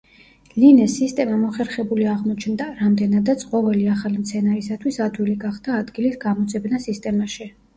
ლინეს სისტემა მოხერხებული აღმოჩნდა, რამდენადაც ყოველი ახალი მცენარისათვის ადვილი გახდა ადგილის გამოძებნა სისტემაში.